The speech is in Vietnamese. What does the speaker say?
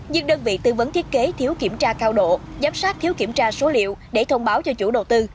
nhưng đơn vị tư vấn thiết kế thiếu kiểm tra cao độ giám sát thiếu kiểm tra số liệu để thông báo cho chủ đầu tư